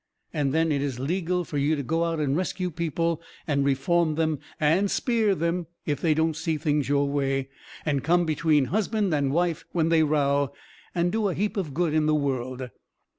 And then it is legal fur you to go out and rescue people and reform them and spear them if they don't see things your way, and come between husband and wife when they row, and do a heap of good in the world.